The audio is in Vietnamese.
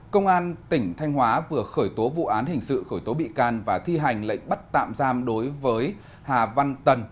công an tỉnh thanh hóa vừa khởi tố vụ án hình sự khởi tố bị can và thi hành lệnh bắt tạm giam đối với hà văn tần